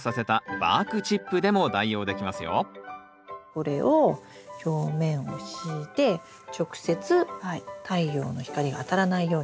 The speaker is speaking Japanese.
これを表面を敷いて直接太陽の光があたらないようにする。